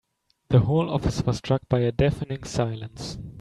The whole office was struck by a deafening silence.